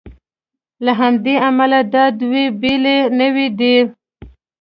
له همدې امله دا دوې بېلې نوعې دي.